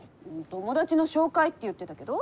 友達の紹介って言ってたけど。